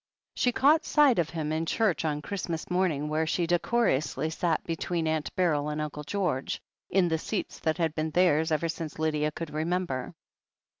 She caught sight of him in church on Christmas morning, where she decorously sat between Aunt Beryl and Uncle George, in the seats that had been theirs ever since Lydia could remember.